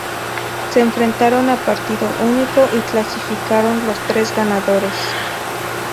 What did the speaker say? Se enfrentaron a partido único y clasificaron los tres ganadores.